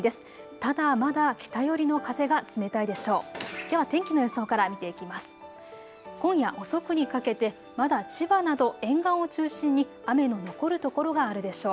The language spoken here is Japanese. ただまだ北寄りの風が冷たいでしょう。